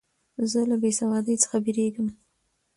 زه له بېسوادۍ څخه بېریږم.